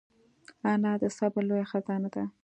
انا د صبر لویه خزانه ده